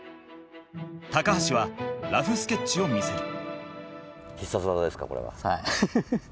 高橋はラフスケッチを見せる。